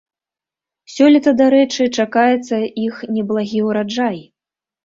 Сёлета, дарэчы, чакаецца іх неблагі ўраджай.